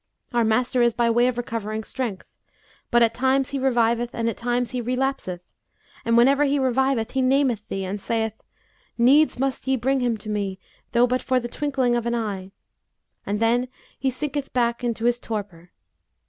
Our master is by way of recovering strength, but at times he reviveth and at times he relapseth; and whenever he reviveth he nameth thee, and saith, 'Needs must ye bring him to me, though but for the twinkling of an eye;' and then he sinketh back into his torpor.'